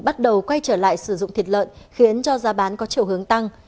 bắt đầu quay trở lại sử dụng thịt lợn khiến cho giá bán có chiều hướng tăng